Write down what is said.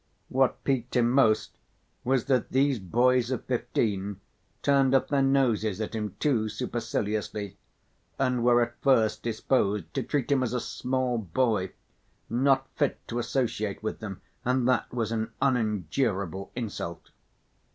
What piqued him most was that these boys of fifteen turned up their noses at him too superciliously, and were at first disposed to treat him as "a small boy," not fit to associate with them, and that was an unendurable insult.